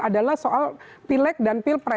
adalah soal pilek dan pilpres